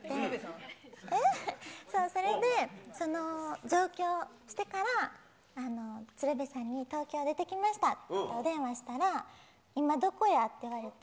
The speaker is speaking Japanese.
それで、その上京してから、鶴瓶さんに東京に出てきましたってお電話したら、今、どこやって言われて。